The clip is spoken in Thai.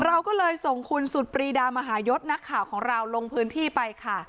เราก็เลยส่งคุณสุดปรีดามหายศนักข่าวของเราลงพื้นที่ไปค่ะ